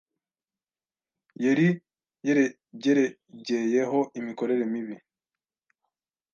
yeri yeregeregeyeho imikorere mibi